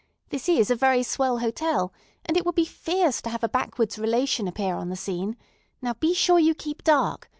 This is a very swell hotel, and it would be fierce to have a backwoods relation appear on the scene. Now be sure you keep dark.